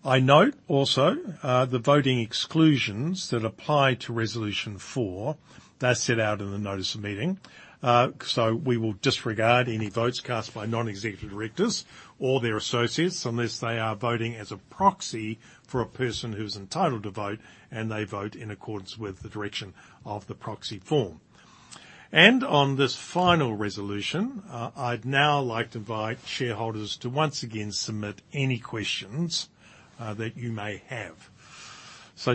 I note also, the voting exclusions that apply to resolution four, they're set out in the notice of meeting. We will disregard any votes cast by non-executive directors or their associates, unless they are voting as a proxy for a person who's entitled to vote and they vote in accordance with the direction of the proxy form. On this final resolution, I'd now like to invite shareholders to once again submit any questions that you may have.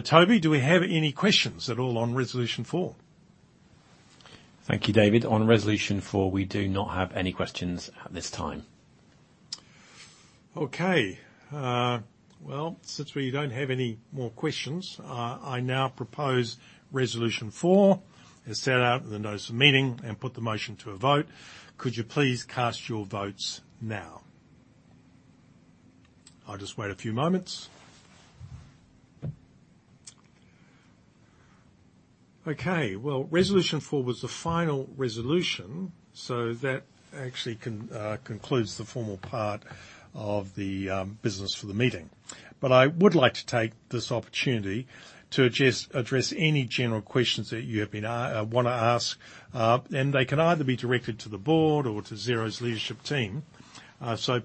Toby, do we have any questions at all on resolution four? Thank you, David. On resolution four, we do not have any questions at this time. Okay. Well, since we don't have any more questions, I now propose resolution four, as set out in the notice of meeting, and put the motion to a vote. Could you please cast your votes now? I'll just wait a few moments. Okay. Well, resolution four was the final resolution, that actually concludes the formal part of the business for the meeting. I would like to take this opportunity to address any general questions that you want to ask, and they can either be directed to the board or to Xero's leadership team.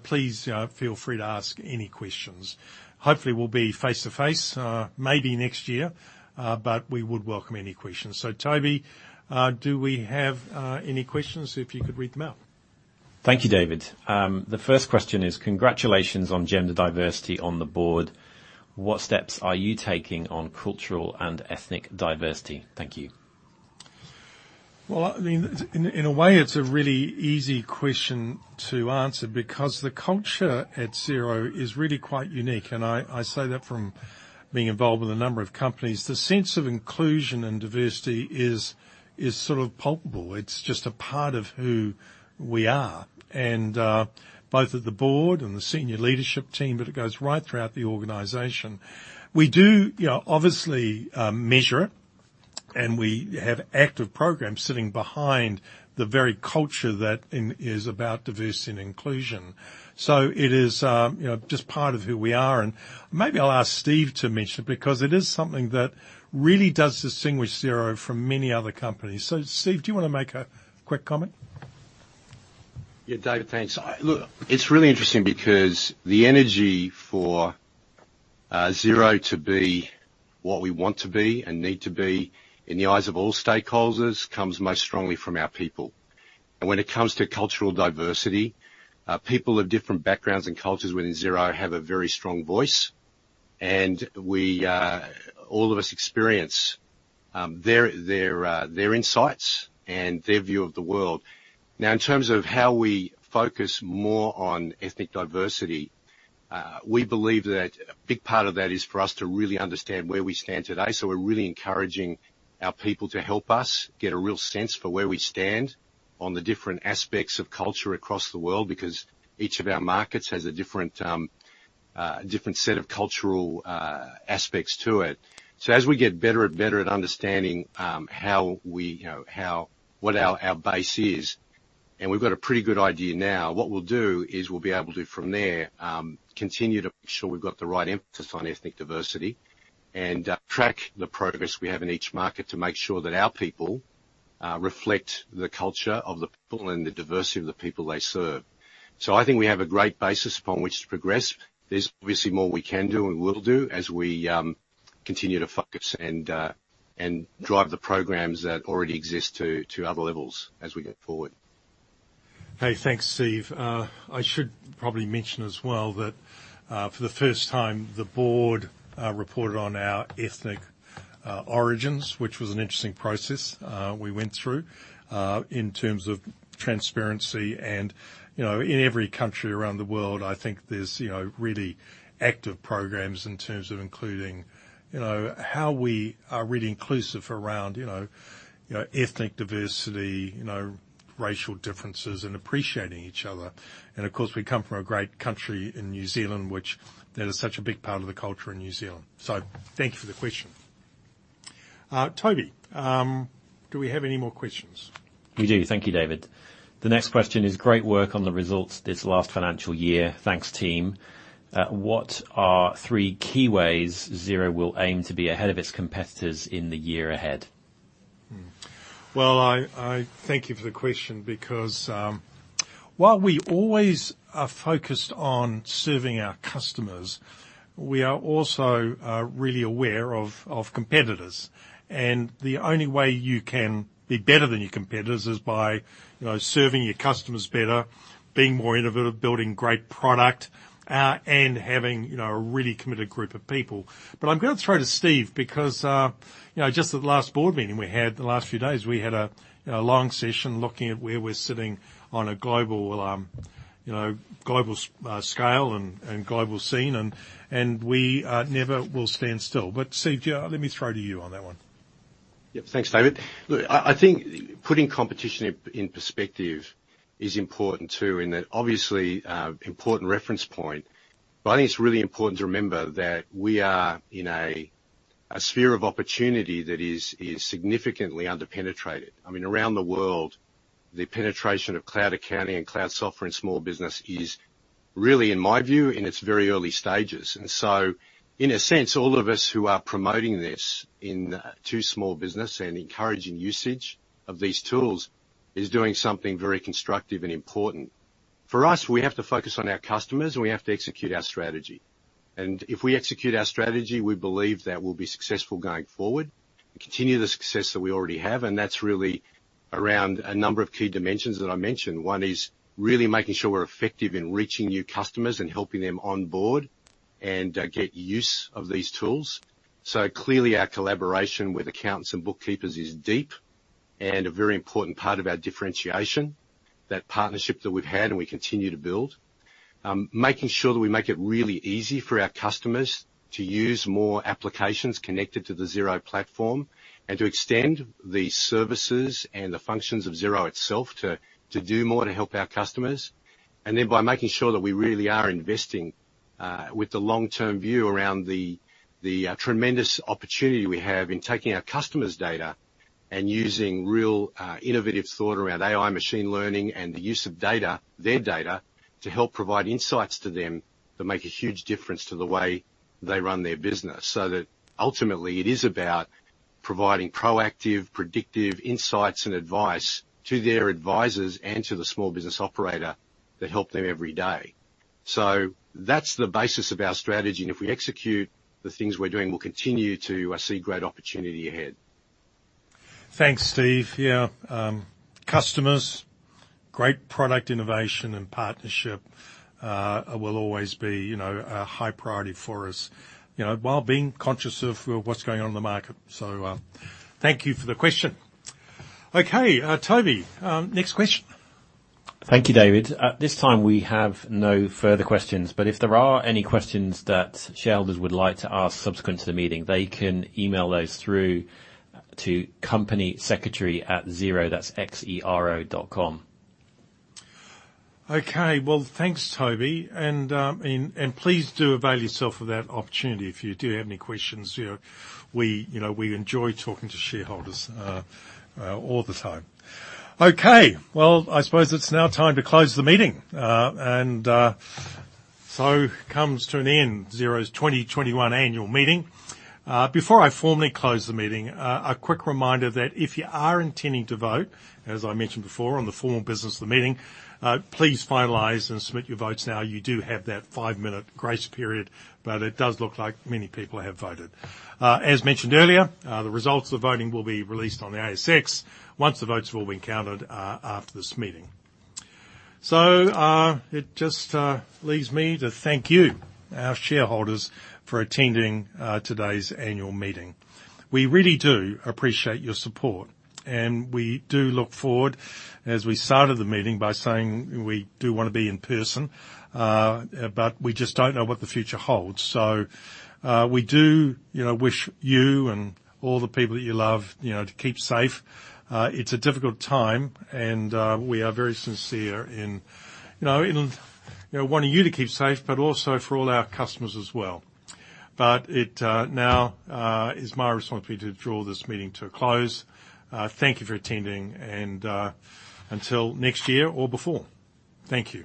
Please feel free to ask any questions. Hopefully, we'll be face-to-face, maybe next year, but we would welcome any questions. Toby, do we have any questions? If you could read them out. Thank you, David. The first question is, congratulations on gender diversity on the board. What steps are you taking on cultural and ethnic diversity? Thank you. In a way, it's a really easy question to answer because the culture at Xero is really quite unique, and I say that from being involved with a number of companies. The sense of inclusion and diversity is sort of palpable. It's just a part of who we are, and both at the board and the senior leadership team, but it goes right throughout the organization. We do obviously measure it, and we have active programs sitting behind the very culture that is about diversity and inclusion. It is just part of who we are and maybe I'll ask Steve to mention it because it is something that really does distinguish Xero from many other companies. Steve, do you want to make a quick comment? Yeah, David, thanks. Look, it's really interesting because the energy for Xero to be what we want to be and need to be in the eyes of all stakeholders comes most strongly from our people. When it comes to cultural diversity, people of different backgrounds and cultures within Xero have a very strong voice, and all of us experience their insights and their view of the world. Now, in terms of how we focus more on ethnic diversity, we believe that a big part of that is for us to really understand where we stand today. We're really encouraging our people to help us get a real sense for where we stand on the different aspects of culture across the world, because each of our markets has a different set of cultural aspects to it. As we get better and better at understanding what our base is, and we've got a pretty good idea now, what we'll do is we'll be able to, from there, continue to make sure we've got the right emphasis on ethnic diversity and track the progress we have in each market to make sure that our people reflect the culture of the people and the diversity of the people they serve. I think we have a great bases on which we progress. There's obviously more we can do and will do as we continue to focus and drive the programs that already exist to other levels as we go forward. Hey, thanks, Steve. I should probably mention as well that, for the first time, the board reported on our ethnic origins, which was an interesting process we went through, in terms of transparency. In every country around the world, I think there's really active programs in terms of including how we are really inclusive around ethnic diversity, racial differences, and appreciating each other. Of course, we come from a great country in New Zealand, which that is such a big part of the culture in New Zealand. Thank you for the question. Toby, do we have any more questions? We do. Thank you, David. The next question is, great work on the results this last financial year. Thanks, team. What are three key ways Xero will aim to be ahead of its competitors in the year ahead? Well, thank you for the question because while we always are focused on serving our customers, we are also really aware of competitors. The only way you can be better than your competitors is by serving your customers better, being more innovative, building great product, and having a really committed group of people. I'm going to throw to Steve, because just at the last board meeting we had the last few days, we had a long session looking at where we're sitting on a global scale and global scene, and we never will stand still. Steve, let me throw to you on that one. Yep. Thanks, David. Look, I think putting competition in perspective is important, too, in that obviously important reference point. I think it's really important to remember that we are in a sphere of opportunity that is significantly under-penetrated. Around the world, the penetration of cloud accounting and cloud software in small business is really, in my view, in its very early stages. In a sense, all of us who are promoting this to small business and encouraging usage of these tools is doing something very constructive and important. For us, we have to focus on our customers, and we have to execute our strategy. If we execute our strategy, we believe that we'll be successful going forward and continue the success that we already have, and that's really around a number of key dimensions that I mentioned. One is really making sure we're effective in reaching new customers and helping them onboard and get use of these tools. Clearly, our collaboration with accountants and bookkeepers is deep and a very important part of our differentiation, that partnership that we've had and we continue to build. Making sure that we make it really easy for our customers to use more applications connected to the Xero platform and to extend the services and the functions of Xero itself to do more to help our customers. By making sure that we really are investing with the long-term view around the tremendous opportunity we have in taking our customers' data and using real innovative thought around AI, machine learning, and the use of data, their data, to help provide insights to them that make a huge difference to the way they run their business, so that ultimately it is about providing proactive, predictive insights and advice to their advisors and to the small business operator that help them every day. That's the basis of our strategy, and if we execute the things we're doing, we'll continue to see great opportunity ahead. Thanks, Steve. Yeah. Customers, great product innovation, and partnership will always be a high priority for us, while being conscious of what's going on in the market. Thank you for the question. Okay, Toby, next question. Thank you, David. At this time, we have no further questions, but if there are any questions that shareholders would like to ask subsequent to the meeting, they can email those through to companysecretary@xero.com, that's X-E-R-O dot com. Okay. Well, thanks, Toby. Please do avail yourself of that opportunity if you do have any questions. We enjoy talking to shareholders all the time. Okay, well, I suppose it's now time to close the meeting. Comes to an end Xero's 2021 annual meeting. Before I formally close the meeting, a quick reminder that if you are intending to vote, as I mentioned before, on the formal business of the meeting, please finalize and submit your votes now. You do have that five-minute grace period, but it does look like many people have voted. As mentioned earlier, the results of the voting will be released on the ASX once the votes have all been counted after this meeting. It just leaves me to thank you, our shareholders, for attending today's annual meeting. We really do appreciate your support, we do look forward, as we started the meeting by saying we do want to be in person, but we just don't know what the future holds. We do wish you and all the people that you love to keep safe. It's a difficult time, we are very sincere in wanting you to keep safe, but also for all our customers as well. It now is my responsibility to draw this meeting to a close. Thank you for attending and until next year or before. Thank you.